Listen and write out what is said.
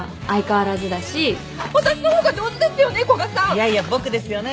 いやいや僕ですよね？